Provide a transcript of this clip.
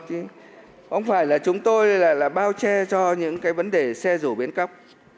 không phải là chúng tôi là bao che cho những cái vấn đề xe rùa biến cấp